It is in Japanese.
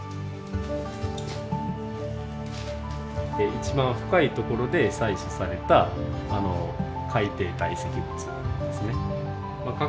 一番深いところで採取された海底堆積物ですね。